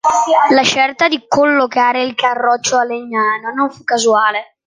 La scelta di collocare il Carroccio a Legnano non fu casuale.